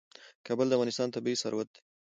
کابل د افغانستان طبعي ثروت دی.